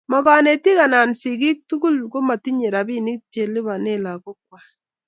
Mo konetik anan sigik tuguk komotinyei robinik che lipone lagokwai